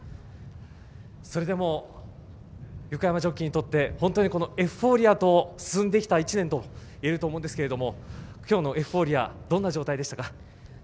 それでも、横山ジョッキーは本当にエフフォーリアと進んできた一年といえると思いますけどきょうのエフフォーリアどんな状態でしたか？